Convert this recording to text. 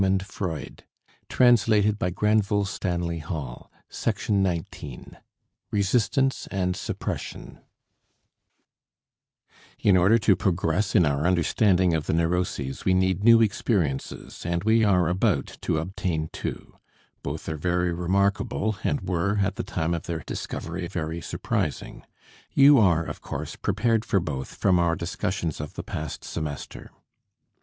NINETEENTH LECTURE GENERAL THEORY OF THE NEUROSES Resistance and Suppression In order to progress in our understanding of the neuroses, we need new experiences and we are about to obtain two. Both are very remarkable and were at the time of their discovery, very surprising. You are, of course, prepared for both from our discussions of the past semester.